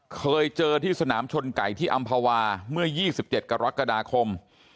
เคยเจอที่สนามชนไก่ที่อำภาวาเมื่อ๒๗กรกฎาคม